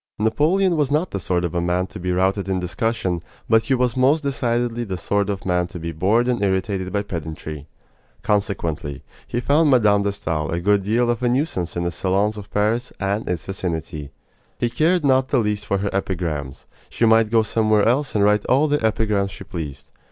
Napoleon was not the sort of a man to be routed in discussion, but he was most decidedly the sort of man to be bored and irritated by pedantry. Consequently, he found Mme. de Stael a good deal of a nuisance in the salons of Paris and its vicinity. He cared not the least for her epigrams. She might go somewhere else and write all the epigrams she pleased.